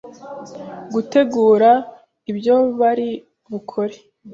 gutegura ibyo bari bukore